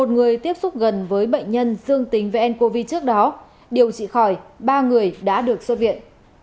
một người tiếp xúc gần với bệnh nhân dương tính với ncov trước đó điều trị khỏi ba người đã được xuất viện